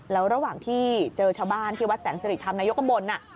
แล้วระหว่างที่เจอชาวบ้านที่วัดแสนสิริธรรมนายกตำบล